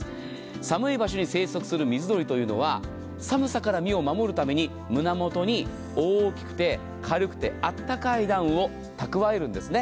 寒い場所に生息する水鳥というのは寒さから身を守るために胸元に大きくて軽くてあったかいダウンを蓄えるんです。